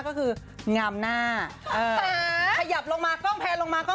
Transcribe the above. โอ้โอ่คงงมมาสวยแบบแบบชาบัดเจ๊กก็ได้ยินคือ